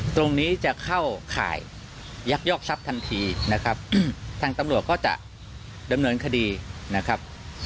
ตรงนี้จะเข้าข่ายยักยอกทรัพย์ทันทีนะครับทางตำรวจก็จะดำเนินคดีนะครับ